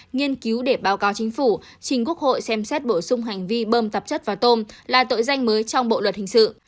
nghiên cứu để báo cáo chính phủ trình quốc hội xem xét bổ sung hành vi bơm tạp chất vào tôm là tội danh mới trong bộ luật hình sự